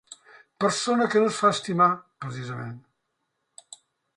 Persona que no es fa estimar, precisament.